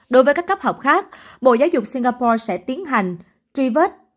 đối với các cấp học khác bộ giáo dục singapore sẽ tiến hành truy vết